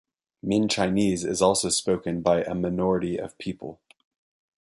Min Chinese is also spoken by a minority of people.